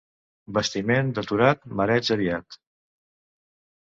Bastiment deturat, mareig aviat.